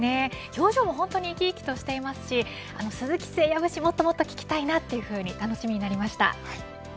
表情も生き生きとしていますし鈴木誠也節をもっともっと聞きたいなと楽しみになりました。